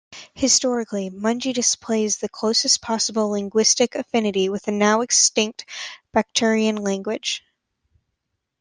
Historically, Munji displays the closest possible linguistic affinity with the now-extinct Bactrian language.